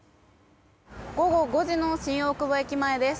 午後５時の新大久保駅前です。